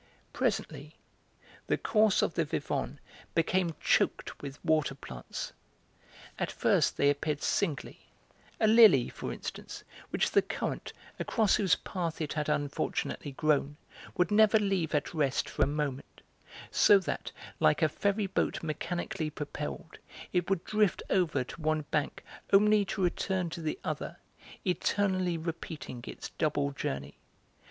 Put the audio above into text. Presently the course of the Vivonne became choked with water plants. At first they appeared singly, a lily, for instance, which the current, across whose path it had unfortunately grown, would never leave at rest for a moment, so that, like a ferry boat mechanically propelled, it would drift over to one bank only to return to the other, eternally repeating its double journey.